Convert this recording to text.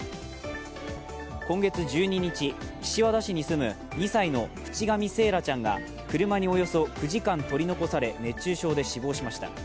今月１２日、岸和田市に住む２歳の渕上惺愛ちゃんが車におよそ９時間取り残され熱中症で死亡しました。